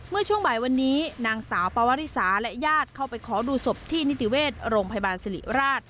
เมื่อช่วงบ่ายวันนี้นางสาวปวริสาและญาติเข้าไปขอดูศพที่นิติเวชโรงพยาบาลสิริราช